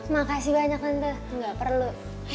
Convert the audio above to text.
makasih banyak tante nggak perlu